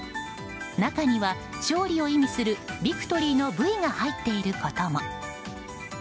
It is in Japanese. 中には勝利を意味するビクトリーのＶが入っていることも。